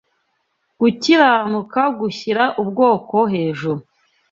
gukiranuka “gushyira ubwoko hejuru.”